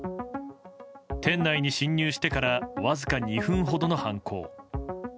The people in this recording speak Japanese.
店内に侵入してからわずか２分ほどの犯行。